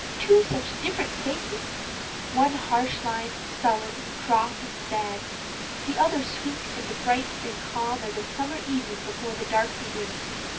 two such different faces: one harsh lined, sullen, cross, and sad; the other sweet and bright and calm as a summer evening before the dark begins.